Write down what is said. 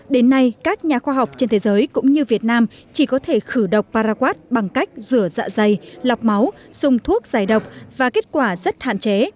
đến nay các nhà khoa học trên thế giới cũng như việt nam chỉ có thể khử độc paraquat bằng cách rửa dạ dày lọc máu dùng thuốc giải độc và kết quả rất hạn chế